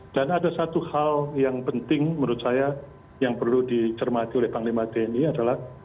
dan ada satu hal yang penting menurut saya yang perlu dicermati oleh panglima tni adalah